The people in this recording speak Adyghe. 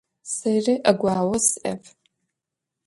Сэри ӏэгуао сиӏэп.